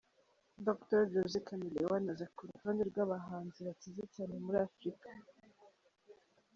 Dr Jose Chameleone aza ku rutonde rw'abahanzi bakize cyane muri Afrika.